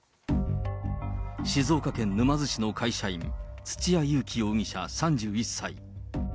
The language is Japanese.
静岡県沼津市の会社員、土屋勇貴容疑者３１歳。